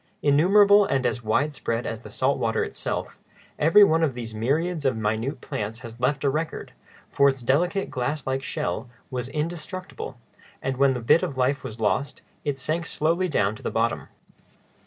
Innumerable, and as wide spread as the salt water itself, every one of these myriads of minute plants has left a record; for its delicate, glass like shell was indestructible, and when the bit of life was lost, it sank slowly down to the bottom.